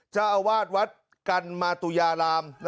เจ้าอาวาสวัดกันมาตุยาราม